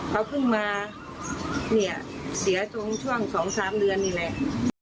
เขาเพิ่งมาเนี่ยเสียตรงช่วง๒๓เดือนนี่แหละ